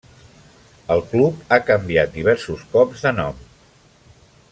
El club ha canviat diversos cops de nom.